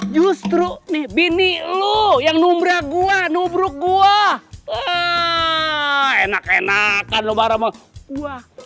justru nih bini lu yang nubrah gua nubruk gua enak enakan obama gua